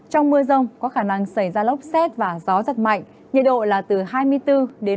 trong mưa rông có khả năng xảy ra lốc xét và gió giật mạnh nhiệt độ là từ hai mươi bốn ba mươi một độ